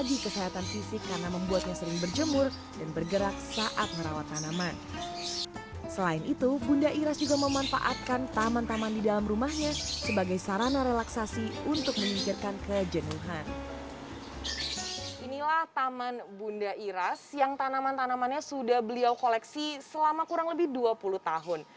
inilah taman bunda iras yang tanaman tanamannya sudah beliau koleksi selama kurang lebih dua puluh tahun